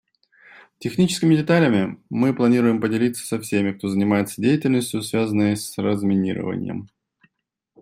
Техническими деталями мы планируем поделиться со всеми, кто занимается деятельностью, связанной с разминированием.